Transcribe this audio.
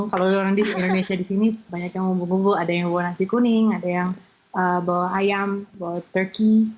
kalau orang di indonesia di sini banyak yang bumbu bumbu ada yang bawa nasi kuning ada yang bawa ayam bawa turki